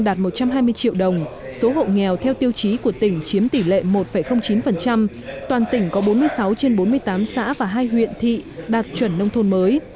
đạt một trăm hai mươi triệu đồng số hộ nghèo theo tiêu chí của tỉnh chiếm tỷ lệ một chín toàn tỉnh có bốn mươi sáu trên bốn mươi tám xã và hai huyện thị đạt chuẩn nông thôn mới